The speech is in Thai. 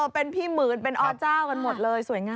เป็นพี่หมื่นเป็นอเจ้ากันหมดเลยสวยงาม